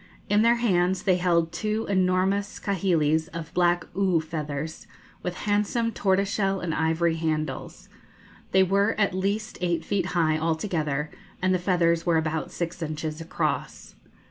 In their hands they held two enormous kahilis of black oo feathers, with handsome tortoise shell and ivory handles. They were at least eight feet high altogether, and the feathers were about six inches across.